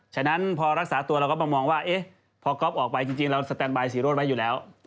ฉะนั้นพอรักษาตัวเราก็มามองว่าพอก๊อฟออกไปจริงเราสแตนบายสีโรธไว้อยู่แล้ว